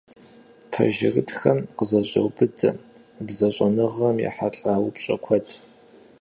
Пэжырытхэм къызэщӏеубыдэ бзэщӏэныгъэм ехьэлӏа упщӏэ куэд.